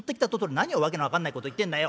「何を訳の分かんないこと言ってんだよ。